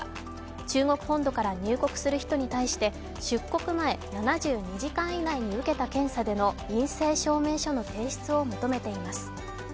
中国本土から入国する人に対して出国前７２時間以内に受けた検査での陰性証明書の提出を求めています。